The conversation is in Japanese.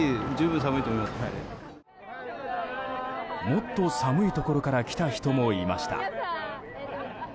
もっと寒いところから来た人もいました。